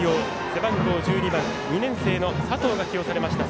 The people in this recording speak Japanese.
背番号１２番、２年生の佐藤が起用されました。